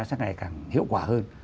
sẽ ngày càng hiệu quả hơn